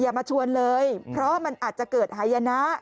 มาชวนเลยเพราะมันอาจจะเกิดหายนะ